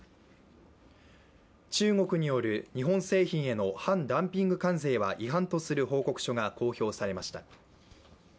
中国による日本製品のへの反ダンピング関税は違反とする報告書が公表されました。